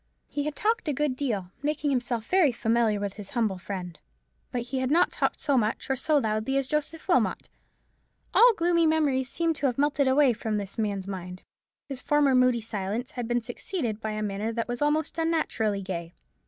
He had talked a good deal, making himself very familiar with his humble friend. But he had not talked so much or so loudly as Joseph Wilmot. All gloomy memories seemed to have melted away from this man's mind. His former moody silence had been succeeded by a manner that was almost unnaturally gay.